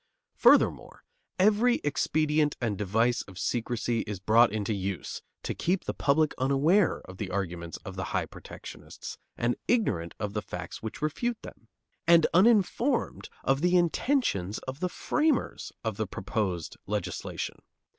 Furthermore, every expedient and device of secrecy is brought into use to keep the public unaware of the arguments of the high protectionists, and ignorant of the facts which refute them; and uninformed of the intentions of the framers of the proposed legislation.